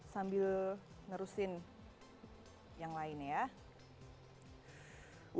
saya sambil ngerusin yang lainnya ya